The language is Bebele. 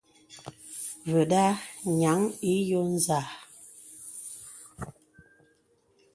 Və̀da nyaŋ ǐ yo nzâ.